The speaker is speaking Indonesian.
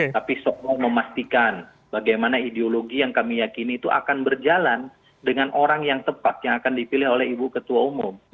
tapi soal memastikan bagaimana ideologi yang kami yakini itu akan berjalan dengan orang yang tepat yang akan dipilih oleh ibu ketua umum